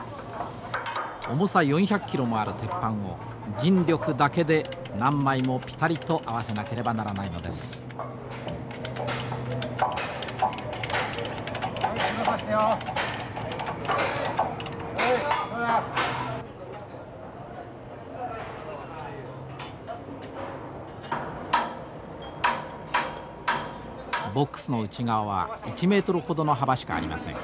重さ４００キロもある鉄板を人力だけで何枚もピタリと合わせなければならないのです。ボックスの内側は１メートルほどの幅しかありません。